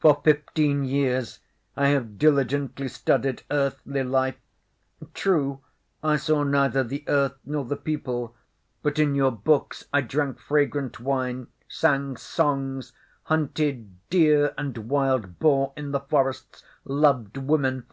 "For fifteen years I have diligently studied earthly life. True, I saw neither the earth nor the people, but in your books I drank fragrant wine, sang songs, hunted deer and wild boar in the forests, loved women...